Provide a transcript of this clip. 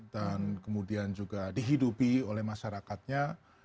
dan kemudian juga dihidupi oleh masyarakatnya